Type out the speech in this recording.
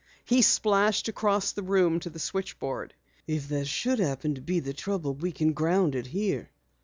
He splashed across the room to the switchboard. "If that should happen to be the trouble, we can ground it here."